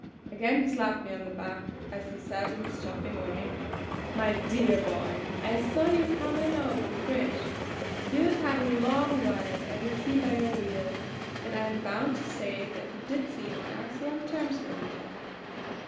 Again he slapped me on the back as he said in his chaffing way: "My dear boy I saw you come in over the bridge. You had had a long ride I could see by your wheels; and I am bound to say that you did seem on excellent terms with each other!"